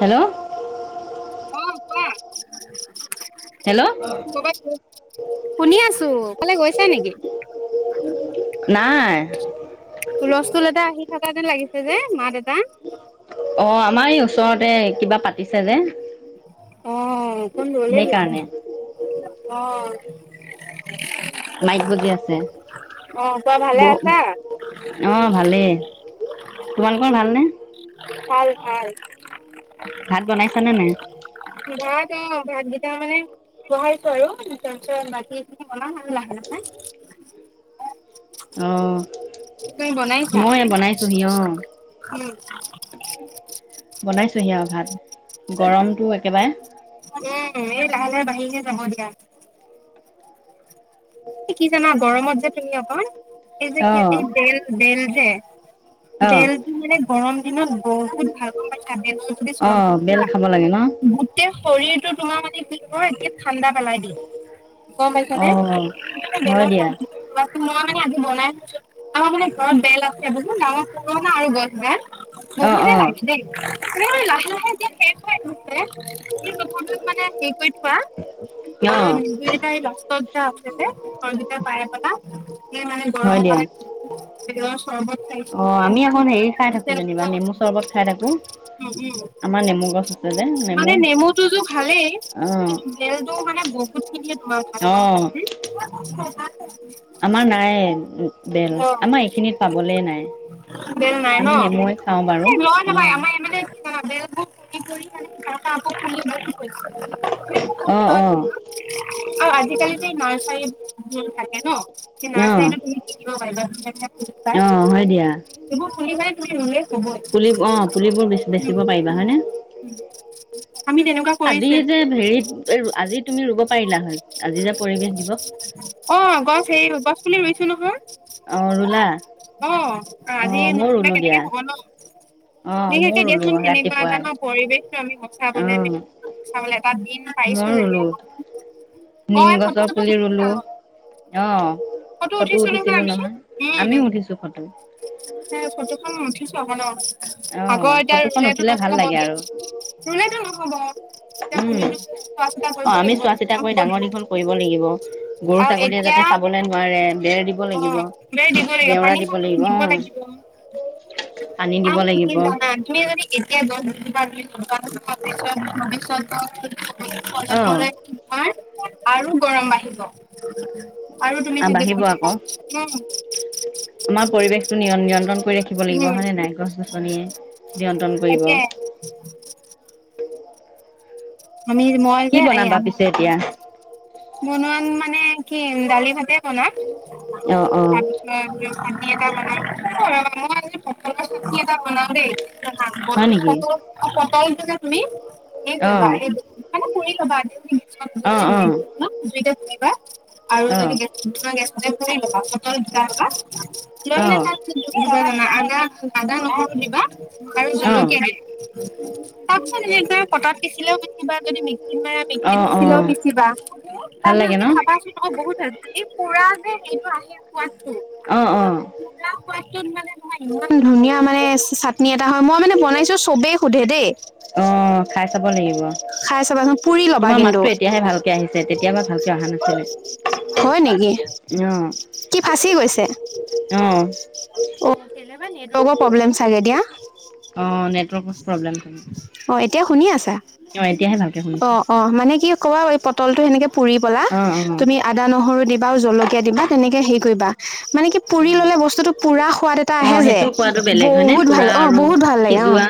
Hello hello শুনি আছো এফালে গৈছে নেকি নাই সূলষ্টুল এটা আহি থকা যেন লাগিছে যে মাত এটা অঁ আমাৰ এই ওচৰতে কিবা পাতিছে যে অঁ অকন দুৰলে যোৱা সেইকাৰণে অঁ মাইক বাজি আছে বহ অঁ ভালেই তোমালোকৰ ভালনে ভাল ভাল ভাত বনাইছানে নাই অঁ ভাতকেইটা মানে বহাইছো আৰু তাৰ পিছত বাকী এইখিনি বনাাম আৰু লাহে লাহে অঁ তুমি বনাইছা অ বনাইছো সি য়া ভাত গৰমটো একেবাৰে উম এই লাহে লাহে বাঢ়ি ঠিক আছে হ'ব দিয়া কি জানা গৰমত যে তুমি অকণ এই অ যে এই বেল বেল যে অ বেলটো মানে গৰম দিনত বহুত ভালকৈ চেপি মেলি যদি অ চৰ্বত বেল খোৱা খাব লাগে ন গোটেই শৰীৰটোত। তোমাৰ মানে কি কয় এনেকে ঠাণ্ডা পেলাই দিব। গম অ পাইছানে? হয় বেলেগ দিয়া হয়। মই মানে আজি বনাই আমাৰ মানে ঘৰত বেল আছে বোলো গাঙৰ কে নাই এ গছ বেল অ অ বহুতে লাগে দেই লাহে লাহে এতিয়া শেষ হৈ গৈছে কি কবি মানে হেৰি কৰি থোৱা অ অলপ নিব পাৰিবা। [unintelligible] যে কি পায় লবা সেই মানে হয় গৰমৰ দিয়া মানে চৰবত অ আমি এখন হেৰি খাই থাকো যেনিবা নেমু চৰবত খাই থাকো আমাৰ নেমু গছ আছে যে নেমু অ অ', [inaudible] [unintelligible] আমাৰ নাই বেল আমাৰ এইখিনিত পাবলে নাই আমি নেমুৱেই খাওঁ বাৰু অ। বেলবোৰ পৰি পৰি আৰু [unintelligible] অ অ আৰু আজিকালি তো নাৰ্চাৰী বোৰ থাকে ন। কি অ', নাৰ্চাৰী। [unintelligible] পাই অ', হয় দিয়া এইবোৰ পুলি পাই। [unintelligible] পুলি অ পুলিবোৰ বেছিব পাৰিবা হয়নে আজি যে হেৰিত আজি তুমি ৰুব পাৰিলা হয় আজি যে পৰিবেশ দিৱস। পুলি ৰুইছো অ', ৰুলা নহয়। অ আজি অ', ময়ো নোৰুলে ৰুলো দিয়া কেনেকে হব ন? অ', ময়ো বিশেষকে ৰুলো দিয়াচোন সেনেকুৱা এটা ৰাতিপুৱাই ন পৰিৱেশটো আমি বচাবলৈ অ', চাবলে এটা দিন পাইছো ময়ো ৰুলো যেতিয়া অ নিম ফটো গছৰ চটো পুলি উঠিছা ৰুলো ফটো উঠিছো। উঠিছিলোঁ নহয় আমিও উঠিছো ফটো। উম উঠিছো আকৌ ন। অ আকৌ এতিয়া ফটোখন ৰুলেতো উঠিলে ভাল নহ'ব লাগে আৰু ৰুলেতো নহ'ব উম অ আমি চোৱা চিতা কৰি ডাঙৰ দীঘল কৰিব লাগিব গৰু ছাগলীয়ে যাতে খাবলে নোৱাৰে। এ [inaudible] লাগিব অ [inaudible] পানী দিব লাগিব [inaudible] আৰু গৰম বাঢ়িব অ আৰু তুমি বাঢ়িব আকৌ [inaudible] আমাৰ পৰিৱেশটো নিয়ন নিয়ন্ত্ৰণ কৰি ৰাখিব লাগিব হয়নে নাই গছ গছনিয়ে নিয়ন্ত্ৰণ কৰিব স [unintelligible] [unintelligible] কি বনাবা পিছে এতিয়া বনোৱাম মানে কি দালি ভাতে অ অ [inaudible] [inaudible] হয় [unintelligible] নেকি তুমি সেই অ কৰিবা মানে কৰিবা অ অ [unintelligible] [unintelligible] আৰু অ যদি গেছ গেছ অ [inaudible] [inaudible] [inaudible] আদা নহৰু দিবা আৰু অ জলকীয়াৰে তাৰপিছত নিজে পটাত পিচিলেও কিবা যদি নেকি কিমান অ মিক্সিত অ পিছিলেও পিচিবা ভাল তাৰপিছত লাগে ন এতিয়া খাবাচোন বহুত খুৰা যে এইটো আহি পোৱা অ - অ ত মানে ইমান ধুনীয়া মানে চাটনি এটা হয় মই মানে বনাইছো চবেই সোধে দেই অ খাই চাব লাগিব খাই চাবাচোন পুৰি ল'বা তোমাৰ কিন্তু মাতটো এতিয়াহে ভালকে আহিছে তেতিয়াপা ভালকে অহা নাছিলে হয় নেকি অ, কি ফাঁচি গৈছে অ অ াৰ নেটৰ্ প্ৰব্লেম চাগে দিয়া অ নেটৱৰ্ক প্ৰব্লেম থাকে। অ এতিয়া শুনি আছা অ এতিয়াহে ভালকে অ শুনিছো অ মানে কি কবা তলটো সেনেকে অ অ অ তুমি আদা দিবা আৰু জল ক দিবা, তেনেকে হেৰি কৰিবা মানে কি পুৰি ললে বস্তুতটো পুৰা সোৱাদ এটা অ আহে যে, সেইটো সোৱাদো বেলেগ হয়নে বহুত ভাল, পুৰা অ আৰু বহুত ভাল লাগে, অ। সিজোৱা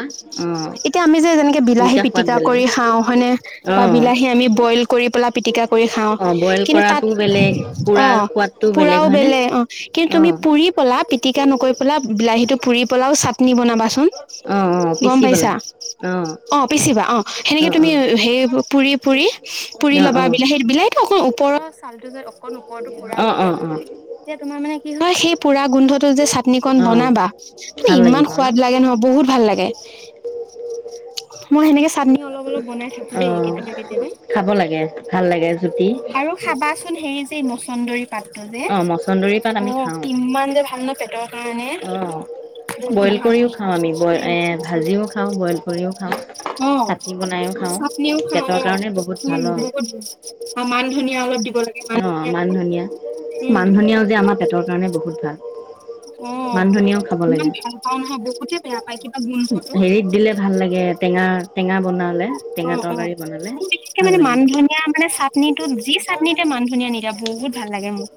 অ এতিয়া আমি যে যেনেকে বিলাহী দুইটা সোৱাদ পিটিকা বেলেগ কৰি খাওঁ, হয়নে? অ বা বিলাহী আমি বইল কৰি পেলাই পিটিকা কৰি খাওঁ, অ বইল কিন্তু তাত, কৰাটোও বেলেগ পুৰাৰ অ' সোৱাদটোও পুৰাও হয়নে বেলেগ অ কিন্তু অ তুমি পুৰি পলা, পিটিকা নকৰি পেলা বিলাহী ুৰি পেলাও চ কাটনি বনাবাচোন অ অ গম পিচি পাইছা? পেলাই অ পিচিবা অ। অ সেনেকে অ তুমি, সেই পুৰি পুুৰী পুৰি অ অ ল'বা বিল সেই বিলাহীটো অক ওপৰৰ ছালটো যে অকণ ওৰৰতো পুৰা অ গ'লে অ অ এতিয়া তোমাৰ মানে কি সেই পুৰা গোন্ধটো যে চাটনিকন অ বনাবা, মে ভাল ইমান লাগিব ন সোৱাদ লাগে নহ, বহুত ভাল লাগে। মোৰ সেনেকে অলপ-অলপ বনাই থাকোঁ দেই অ কেতিয়াবা-কেতিয়াবা। খাব লাগে ভাল লাগে জুতি আৰু খাবা সোণ এই মচন্দৰী পাত যে, অ মচন্দৰী পাত অ আমি খাওঁ কিমান যে ভাল ন পেটৰ কাৰণে, অ বহুত বইল ভাল। কৰিও খাওঁ আমি বই এ ভাজিও খাওঁ, বইল কৰিও খাওঁ, চাটনি বনাইো খাওঁ, পেটৰ কাৰণে বহুত ভাল আৰু। ধুনীয়া অলপ অ মান ধনিয়া মান ধনিয়ও যে আমাৰ পেটৰ কাৰণে বহুত ভাল। [inaudible] অ মান ধনিয়াও খাব ইমান লাগে ভাল পাও নহয়, বহুতেে বেয়া পা হেৰিত দিলে ভাল লাগে, টেঙা তেেঙ উ-উ, মোৰ বিশেষকে ভাল মানে মান লাগে ধনিয়ীয়া মানে চাটনিটোত, যি চাটনি এয়া মান ধনীয়া নিীৰাা, বহুত ভাল লাগে মোক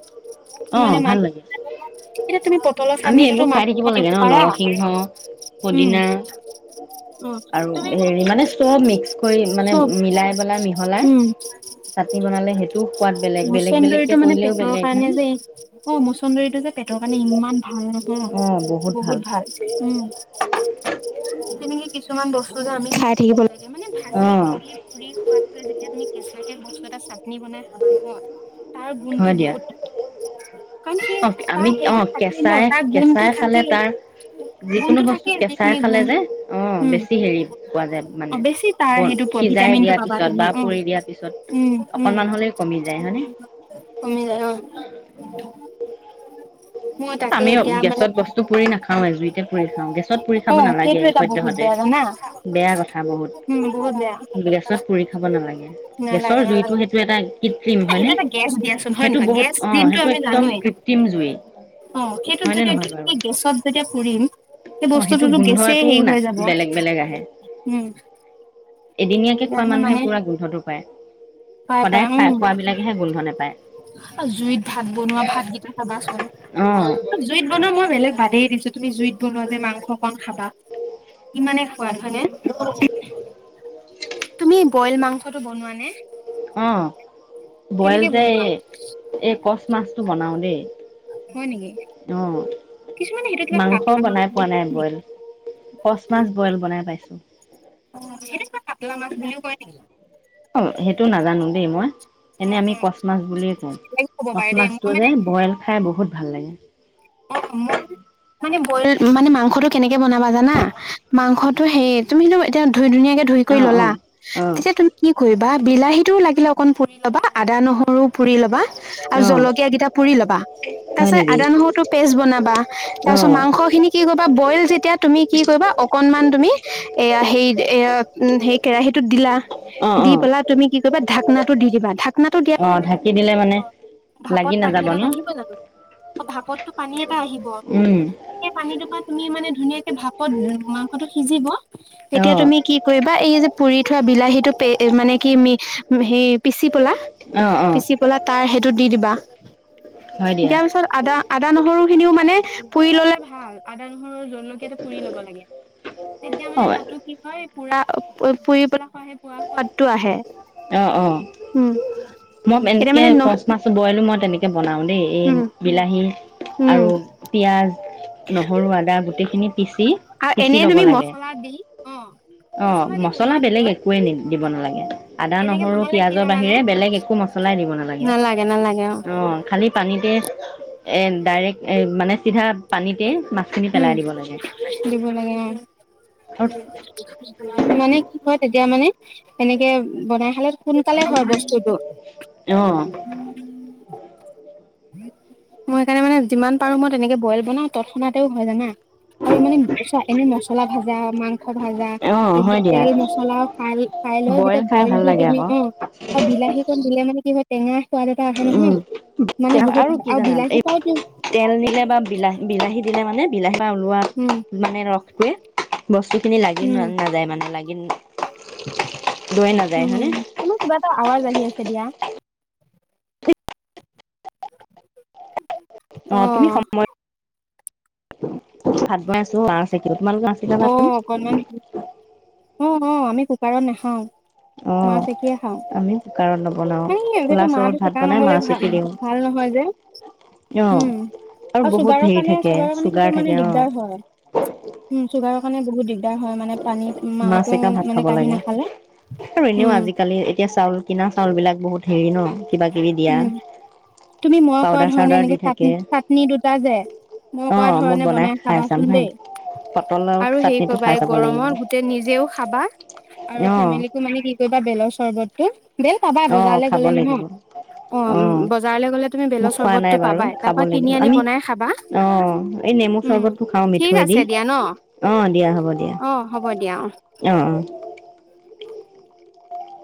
অ ভাল লাগে। তুমি আমি এইবোৰ খাই থাকিব লাগে ন? নৰসিংহ, পুদিনা আৰু হেৰি মানে চব মিক্স কৰি মানে মিলাই বেলাই মিহলাই, চাটনি বনালে সেইটোও সোৱাদ বেলেগ-বেলেগ-বেলেগ কেে কৰিলেও বেলেগ হয় নে? অ মোৰ চন্দ্ৰ টো যে পেটৰ কাৰণি ইমান ভাল নহয়? বহুত ভাল, উম। তে নেকি কিছুমান বস্তু যে আমি খাই থাকিব লাগে। মানে অ ভাজি কৰি পুৰি খোৱাতকৈ যেতিয়া তুমি কেঁচাকে লে বস্তু এটা চাটনি বনাই খালা নহয় তাৰ গুণতটো বহুত থাকে। অহ আমি অহ কেঁচাই কেঁচাই খালে তাৰ যিকোনো বস্তু কেঁচাই খালে যে অহ বেছি হেৰি পোৱা যায়। মানে অহ বেছি তাৰ বন সেইটো সিজাই ভিটামিনটো দিয়াৰ পাবা পিছত তুমি বা অহ পুৰি দিয়াৰ পিছত উম উম অকনমান হ'লেও কমি যায় হয়নে কমি যায় অহ [unintelligible] আমিও গেছত বস্তু পুৰি নাখাও এহ জুইতে পুৰি খাও গেছত পুৰি খাব নালাগে সদ্যহতে বেয়া কথা। বহুত গেছত পুৰি খাব নালাগে গেছৰ জুইটো সেইটো এটা কৃত্ৰিম হয়নে সেইটো বহুত অহ সেইটো একদম কৃত্ৰিম জুই সেইটোত হয়নে যেতিয়া কি নহয় বাৰু? গেছত যেতিয়া পুৰিম সেই অ সেইটো বস্তুটোতো গেছে গোন্ধটো হেৰি না হৈ যাব। বেলেগ বেলেগ আহে উম এদিনীয়াকে খোৱা মানুহে পুৰা গোন্ধটো হয় পাই পাই উম নেপায় জুইত ভাত বনোৱা ভাত কেইটা চাবাচোন অ জুইত বনোৱা মই বেলেগ বাদেই দিছো তুমি জুইত বনোৱা যে মাংস কন খাবা কিমানে সোৱাদ হয়নে? [unintelligible] তুমি বইল মাংসটো বনোৱা নে? অহ বইল যে এই কচ মাছটো বনাও দেই। [unintelligible] হয় নেকি। অ কিছুমানে সেইটো কিবা মাংস কাতলা মাছ বনাই বুলি পোৱা নাই বইল নেকি? কচ মাছ বইল বনাই পাইছোঁ। অহ সেইটো নাজানো দেই মই। এনে আমি কচ মাছ বুলিয়ে কওঁ কচ মাছটো যে বইল খাই বহুত ভাল লাগে। অ মই মানে বইল মানে মাংসটো কেনেকে বনাবা জানা মাংসটো সেই তুমি এতিয়া ধুই ধুনীয়াকে ধুই কৰি অ অ ললা অ তেতিয়া তুমি কি কৰিবা বিলাহীটো লাগিলে। অকণ পুৰি ল'বা আদা নহৰু পুৰি ল'বা আৰু অ জলকীয়া কিটা পুৰি ল'বা তাৰ হয় পিছত নেকি আদা নহৰুতো পেষ্ট বনাবা তাৰ অ পিছত মাংস খিনি কি কৰিবা বইল যেতিয়া তুমি কি কৰিবা অকনমান তুমি এয়া সেই এয়া উ সেই কেৰাহীটোত দিলা অ দি অ পেলাই তুমি কি কৰিবা ঢাক নাটো দি দিবা ঢাক আপনো দিয়াত অ চেকাতো ঢাকি ফুলি দিলে আহিব মানে ভাপত লাগি পানী নাযাব এটা ন নাহিব জানো অ ভাগত পানীত আহিব উম সেই পানীতো তুমি মানে ধুনীয়াকে ভাপত মাংসটো সিজিব অ এতিয়া তুমি কি কৰিবা এই যে পুৰি থোৱা বিলাহী টো পে মানে কি মিক্স সেই পিচি পলা অ অ পিচি পলা তাৰ সেইটো দি দিবা হয় দিয়া দিয়াৰ পিছত আদা। আদা নহৰু খিনিও মানে পুৰি ল'লে ভাল আদা নহৰু জলকীয়া পুৰি ল'ব লাগে তেতিয়া অ মানে তাতো কি হয় পুৰা পুৰি পেলা। খ পোৱা সোৱাদটো আহে অ অ উম মই এতিয়া মানে ন বনাও দেই এই উম বিলাহী উম আৰু পিয়াজ নহৰু আদা গোটেইখিনি পিচি আৰু পিচি এনেই ল'ব তুমি ম লাগে অ মছলা বেলেগ দিব নালাগে। আদা নহৰু পিয়াজৰ বাহিৰে বেলেগ একো মছলাই দিব নালাগে অ খালি পানীতে ডাইৰেক্ট মানে চিধা পানীতে মাছখিনি উম পেলাই দিব লাগে। দিব লাগে অ মানে কি হয় তে এতিয়া মানে সেনেকে বনাই খালে সোনকালে হয়ৰ বস্তুটো অ', মই সেইকাৰণে মানে যিমান পাৰো মই তেনেকে বইল বনাওঁ তৎক্ষণাতেও হয় জানা আৰু মানে এনে মছলা ভাজা মাংস ভাজা অ', এই পি হয় দিয়া। তেল মছলা খাই লৈ যেতিয়া খাই বইল ভাল দি লাগে তুমি আকৌ। অ আৰুণি বিলাহী কন দিলে মানে কি হয়। এনেই সোৱাদ এটা আহে উম, নহয় আৰু কি জানা এই তেল দিলে বা বিলাহ বিলাহী দিলে মানে বিলাহী ওলোৱাত মানে ৰসটোৱে বস্তুখিনি লাগি ন নাযায় মানে লাগি লৈ নাযায় হনে অ তুমি সময় ভাত বনাই আছো মাহ চেকি অ অকনমান অ অ আমি ক পাৰ নাখাওঁ মাহ অ' চেকিয়ে খাওঁ আমি কুকাৰত নবনাও মানে মাহ খোলা চৰুত মাহটো ভাত চেকা বনাই নগলে মাছ ভ চেপি দিওঁ ভাল নহয় যে অ' উম আৰু বহুত চুগাৰৰ হেৰি কাৰণে থাকে চুগাৰৰ কাৰণে চুগাৰ সেইটো মানে থাকে অ' দিগদাৰ হয় চুগাৰৰ কাৰণে বহুত দিগদাৰ হয় মানে মাহ চেকা ভাত খাব কাঢ়ি লাগে নাখালে আৰু এনেও উম আজিকালি এতিয়া চাউল কিনা চাউল বিলাক বহুত হেৰি ন কিবা কিবি দিয়া উম তুমি মই কোৱা পাউদাৰ ধৰণে চাউদাৰ দি এনেকে চাট থাকে চাটনি দুটা যে মই কোৱা অ' মই ধৰণে বনাই খাই চাম খাবাচোন হাই দেই পটলৰ আৰু সেই চাটনিটো কবা খাই এই চাব লাগিব গৰমত গোটেই নিজেও খাবা আৰু অ' ফেমিলিকো মানে কি কৰিবা বেলৰ চৰ্বত হ বেল পাবা অ' বজাৰলৈ গ'লে নহয় অ বজাৰলৈ গ'লে তুমি মোক বেলৰ খোৱা নাই চৰ্বতটো বাৰু পাবাই তাৰ খাব পৰা কিনি লাগিব আনি আমি বনাই খাবা অ এই নেমু উম চৰ্বতটো খাওঁ ঠিক মিঠৈ দি আছে দিয়া ন অ দিয়া হ'ব দিয়া অ অ